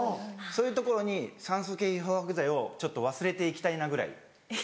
そういうところに酸素系漂白剤をちょっと忘れて行きたいなぐらい。